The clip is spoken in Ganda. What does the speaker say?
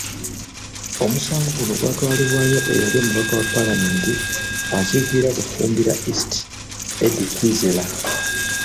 Omusango guno gwatwalibwayo eyali omubaka wa palamenti akiikirira Bufumbira East Eddie Kwizera.